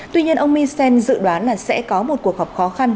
tuy nhiên ông misen dự đoán là sẽ có một cuộc họp khó khăn